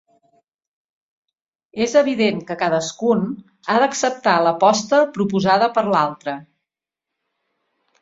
És evident que cadascun ha d'acceptar l'aposta proposada per l'altre.